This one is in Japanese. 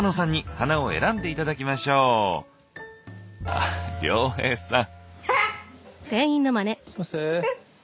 あ亮平さん？